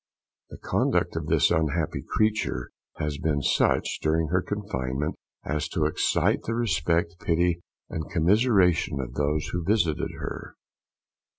The conduct of this unhappy creature has been such, during her confinement, as to excite the respect, pity, and commisseration of those who visited her.